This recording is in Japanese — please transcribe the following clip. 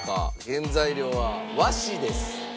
原材料は和紙です。